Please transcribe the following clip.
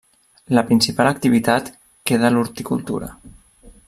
La principal activitat queda l'horticultura.